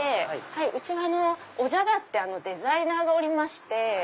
うちはＯＪＡＧＡってデザイナーがおりまして。